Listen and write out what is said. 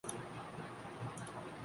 ہمیں صبح بیداری کی عادت ہے ۔